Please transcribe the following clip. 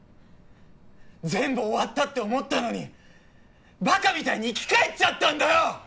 全部終わったって思ったのに馬鹿みたいに生き返っちゃったんだよ！